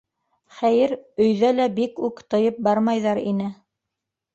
Хәйер, өйҙә лә бик үк тыйып бармайҙар ине.